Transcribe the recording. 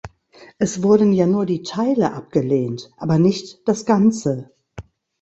Es wurden ja nur die Teile abgelehnt, aber nicht das Ganze.